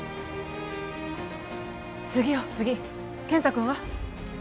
次よ次健太君は？